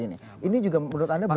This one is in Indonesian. ini juga menurut anda belum puas